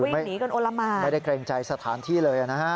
วิ่งหนีกันโอละหมานไม่ได้เกรงใจสถานที่เลยนะฮะ